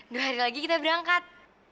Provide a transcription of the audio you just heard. dua hari lagi kita berangkat